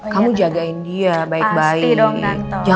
kamu jagain dia baik baik pasti dong